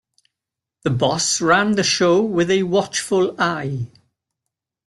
The boss ran the show with a watchful eye.